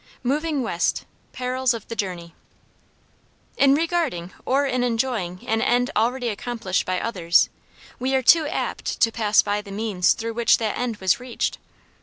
MOVING WEST PERILS OF THE JOURNEY In regarding or in enjoying an end already accomplished by others, we are too apt to pass by the means through which that end was reached.